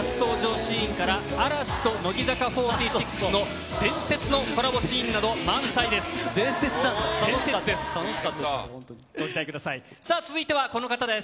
貴重な初登場シーンから嵐と乃木坂４６の伝説のコラボシーンなど満載です。